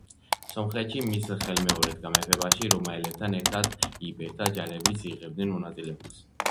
სომხეთში მის ხელმეორედ გამეფებაში რომაელებთან ერთად იბერთა ჯარებიც იღებდნენ მონაწილეობას.